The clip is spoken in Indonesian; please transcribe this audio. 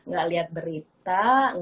gak liat berita